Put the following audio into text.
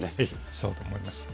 そうだと思います。